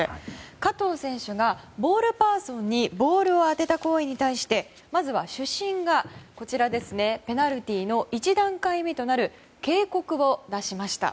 加藤選手がボールパーソンにボールを当てた行為に対してまずは主審がペナルティーの１段階目となる警告を出しました。